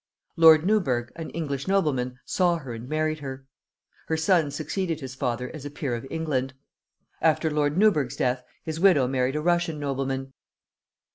Lord Newburgh, an English nobleman, saw her and married her. Her son succeeded his father as a peer of England. After Lord Newburgh's death his widow married a Russian nobleman.